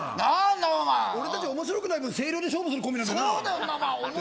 俺たち面白くないから声量でコンビするコンビなんだよ。